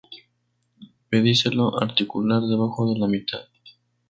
Pedicelo articular debajo de la mitad.